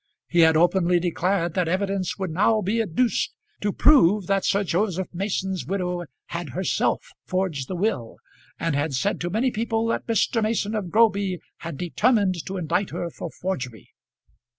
He had openly declared that evidence would now be adduced to prove that Sir Joseph Mason's widow had herself forged the will, and had said to many people that Mr. Mason of Groby had determined to indict her for forgery.